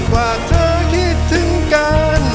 ว่าเธอคิดถึงกัน